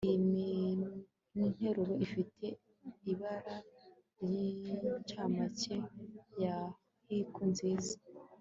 iyi ninteruro, ifite ibara ryincamake, ya haiku nziza